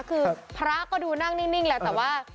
คือพระก็ดูนั่งนิ่งแหละแต่ว่า